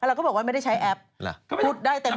เราก็บอกว่าไม่ได้ใช้แอปพูดได้เต็ม